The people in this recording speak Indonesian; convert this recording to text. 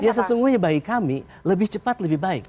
ya sesungguhnya bayi kami lebih cepat lebih baik